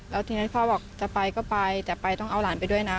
แล้วทีนี้พ่อบอกจะไปก็ไปจะไปต้องเอาหลานไปด้วยนะ